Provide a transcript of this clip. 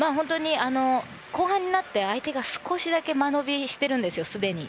後半になって相手が少しだけ間延びしてるんですよ、すでに。